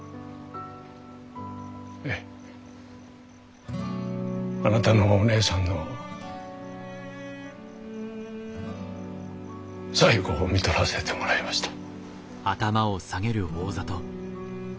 ええあなたのお姉さんの最期をみとらせてもらいました。